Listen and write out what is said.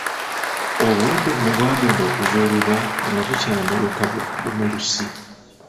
Obulwadde buno bwagenda okuzuulibwa nga bukyameruka bumerusi.